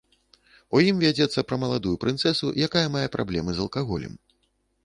У ім вядзецца пра маладую прынцэсу, якая мае праблемы з алкаголем.